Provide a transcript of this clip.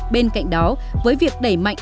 bên cạnh đó với việc đẩy mạnh